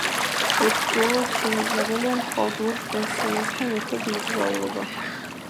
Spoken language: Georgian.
ერთდროულად შესაძლებელია მხოლოდ ორ პერსონაჟთან ერთად მოგზაურობა.